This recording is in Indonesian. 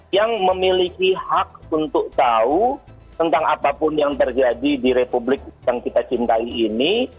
yang memiliki hak untuk tahu tentang apapun yang terjadi di republik yang kita cintai ini